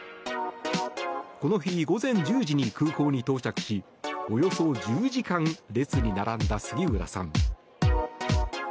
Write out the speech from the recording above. この日、１０時に空港に到着しおよそ１０時間列に並んだ杉浦さん。